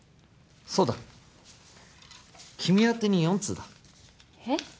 そうだ君宛てに４通だえっ？